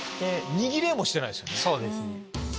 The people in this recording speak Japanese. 握れもしてないですよね。